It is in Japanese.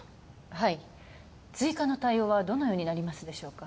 はい追加の対応はどのようになりますでしょうか？